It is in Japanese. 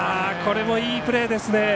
これもいいプレーですね。